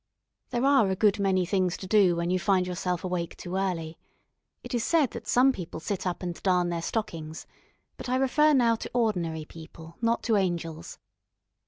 There are a good many things to do when you find yourself awake too early. It is said that some people sit up and darn their stockings, but I refer now to ordinary people, not to angels.